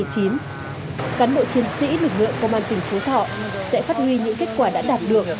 cán bộ chiến sĩ lực lượng công an tỉnh phú thọ sẽ phát huy những kết quả đã đạt được